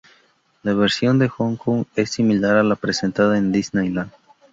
La versión de Hong Kong, es similar a la presentada en Disneyland.